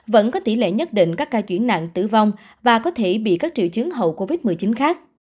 vẫn có tỷ lệ nhất định các ca chuyển nặng tử vong và có thể bị các triệu chứng hậu covid một mươi chín khác